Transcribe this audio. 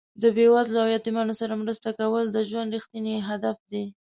د بې وزلو او یتیمانو سره مرسته کول د ژوند رښتیني هدف دی.